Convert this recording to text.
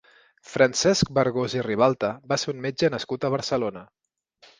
Francesc Bergós i Ribalta va ser un metge nascut a Barcelona.